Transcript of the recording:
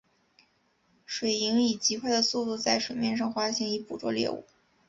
水黾以极快的速度在水面上滑行以捕捉猎物。